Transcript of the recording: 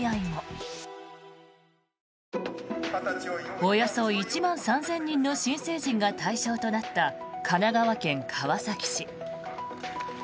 およそ１万３０００人の新成人が対象となった神奈川県川崎市。